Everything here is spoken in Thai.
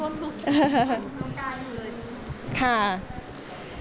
พอส้มลุกน้องกายอยู่เลย